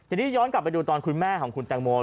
ทีนี้ย้อนกลับไปดูตอนคุณแม่ของคุณแตงโม